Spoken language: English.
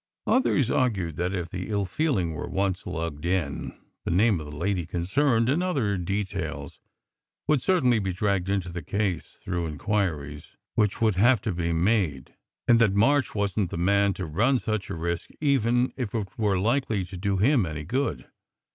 Others argued that if the ill feeling were once lugged in, the name of the lady concerned and other details would certainly be dragged into the case through inquiries which would have to be made; and that March wasn t the man to run such a risk even if it were likely to do him any good.